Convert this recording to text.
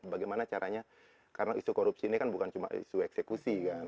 bagaimana caranya karena isu korupsi ini kan bukan cuma isu eksekusi kan